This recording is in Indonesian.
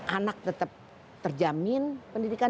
anak tetap terjamin pendidikan